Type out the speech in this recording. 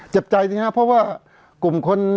เจ็บใจสิครับเพราะว่ากลุ่มคน